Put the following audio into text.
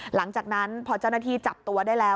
หลังจากนั้นพอเจ้าหน้าที่จับตัวได้แล้ว